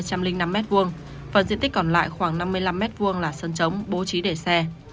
phần diện tích còn lại khoảng năm mươi năm m hai là sân trống bố trí để xe